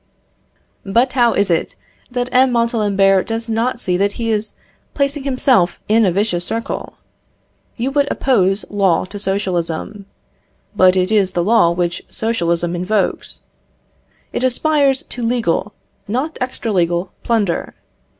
But how is it that M. Montalembert does not see that he is placing himself in a vicious circle? You would oppose law to socialism. But it is the law which socialism invokes. It aspires to legal, not extra legal plunder.